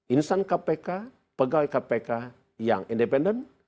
insan kpk pegawai kpk yang independen